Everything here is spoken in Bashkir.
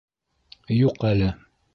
— Юҡ әле.